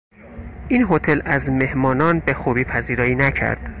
این هتل از مهمانان به خوبی پذیرایی نکرد.